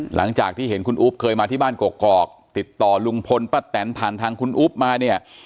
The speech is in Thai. หลังจากที่เห็นคุณอุ๊บเคยมาที่บ้านกอกติดต่อลุงพลป้าแตนผ่านทางคุณอุ๊บมาเนี่ย